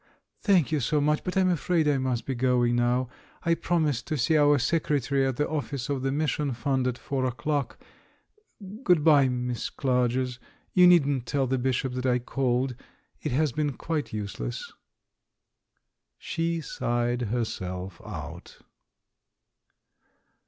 "Thank you so much, but I'm afraid I must be going now ; I promised to see our Secretary at the office of the Mission Fund at four o'clock Good bye, Miss Clarges. You needn't tell the Bishop that I called. It has been quite useless." She sighed herself out.